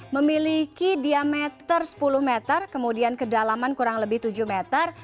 memiliki diameter sepuluh meter kemudian kedalaman kurang lebih tujuh meter